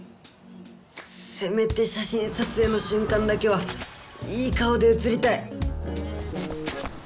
せめて写真撮影のしゅんかんだけはいい顔で写りたい。